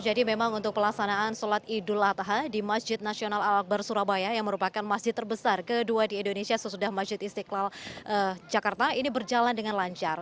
jadi memang untuk pelaksanaan solat idul atah di masjid nasional al akbar surabaya yang merupakan masjid terbesar kedua di indonesia sesudah masjid istiqlal jakarta ini berjalan dengan lancar